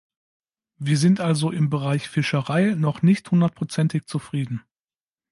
Wir sind also im Bereich Fischerei noch nicht hundertprozentig zufrieden.